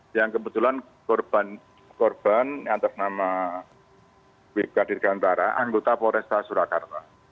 yang kebetulan korban korban yang ternama wibka dirgantara anggota foresta surakarta